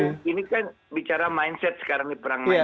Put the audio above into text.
ini kan bicara mindset sekarang nih perang mindse